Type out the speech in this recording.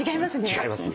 違います。